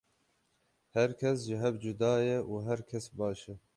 Her kes ji hev cuda ye û her kes baş e.